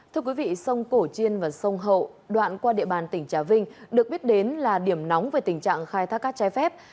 thưa quý vị sông cổ chiên và sông hậu đoạn qua địa bàn tỉnh trà vinh được biết đến là điểm nóng về tình trạng khai thác cát trái phép